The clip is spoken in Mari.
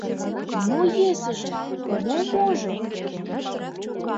Мо йӧсыжӧ, мо можо?..